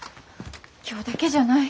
今日だけじゃない。